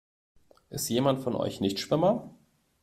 Ist jemand von euch Nichtschwimmer?